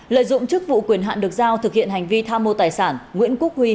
lợi dụng chức vụ quyền hạn được giao thực hiện hành vi tham mô tài sản nguyễn quốc huy